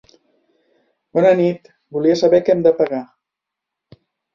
Bona nit, volia saber com hem de pagar?